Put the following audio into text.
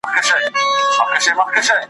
په خپل خیر چي نه پوهیږي زنداني سي `